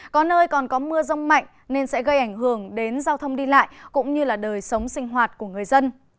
có nơi còn có mưa rông mạnh nên sẽ gây ảnh hưởng đến giao thông đi lại cũng như là đời sống sinh hoạt của người dân